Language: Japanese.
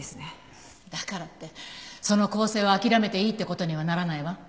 だからってその更生を諦めていいって事にはならないわ。